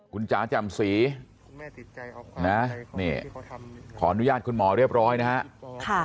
คุณจ๋าแจ่มสีนะนี่ขออนุญาตคุณหมอเรียบร้อยนะฮะ